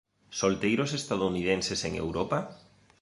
Solteiros estadounidenses en Europa?